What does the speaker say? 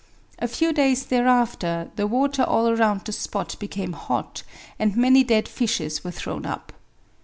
A few days thereafter the water all around the spot became hot, and many dead fishes were thrown up.